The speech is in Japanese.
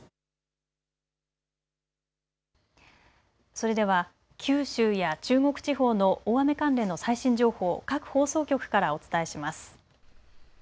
それでは九州や中国地方の大雨関連の最新情報を各放送局からお伝えします。